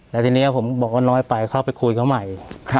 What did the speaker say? แล้วทีนี้ผมบอกว่าน้อยไปเข้าไปคุยเขาใหม่